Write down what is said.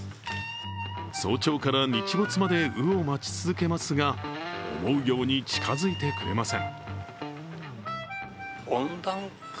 早朝から日没まで鵜を待ち続けますが、思うように近づいてくれません。